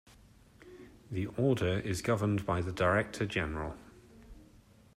The Order is governed by the Director General.